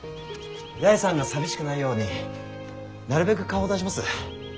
八重さんが寂しくないようになるべく顔を出します。